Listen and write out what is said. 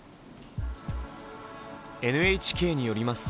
ＮＨＫによります